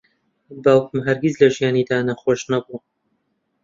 باوکم هەرگیز لە ژیانیدا نەخۆش نەبووە.